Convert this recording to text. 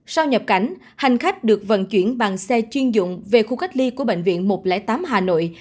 sau nhập cảnh hành khách được vận chuyển bằng xe chuyên dụng về khu cách ly của bệnh viện một trăm linh tám hà nội